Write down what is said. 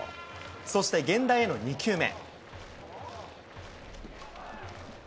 そして源田への２球目。